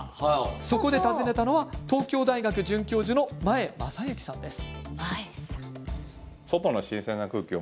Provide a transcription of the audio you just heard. そこで訪ねたのは東京大学准教授の前真之さんです。